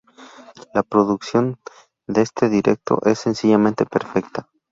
La producción de este directo es sencillamente perfecta.